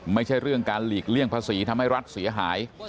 ไม่ใช่เรื่องการหลีกเลี่ยงภาษีทำให้รัฐเสียหาย